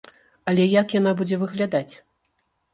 Але як яна будзе выглядаць?